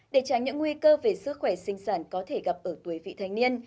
để tránh những nguy cơ về sức khỏe sinh sản có thể gặp ở tuổi vị thanh niên